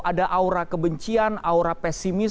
ada aura kebencian aura pesimis